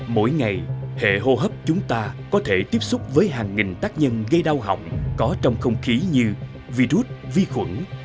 mỗi ngày hệ hô hấp chúng ta có thể tiếp xúc với hàng nghìn tác nhân gây đau học có trong không khí như virus vi khuẩn